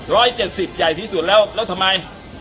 ร้อยเจ็ดสิบใหญ่ที่สุดแล้วแล้วทำไม